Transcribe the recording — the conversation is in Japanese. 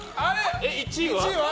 １位は？